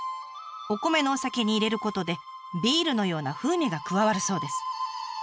お米のお酒に入れることでビールのような風味が加わるそうです。